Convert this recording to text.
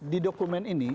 di dokumen ini